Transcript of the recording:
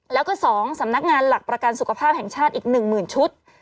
แล้วก็๒สำนักงานหลักประกันสุขภาพแห่งชาติอีก๑๐๐๐ชุด